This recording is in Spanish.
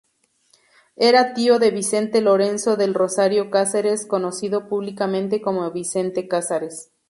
Era tío de Vicente Lorenzo del Rosario Casares, conocido públicamente como Vicente Casares.